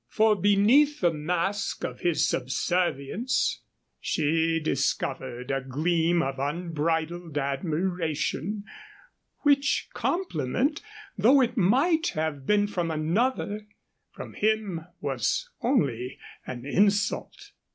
For beneath the mask of his subservience she discovered a gleam of unbridled admiration, which, compliment though it might have been from another, from him was only an insult.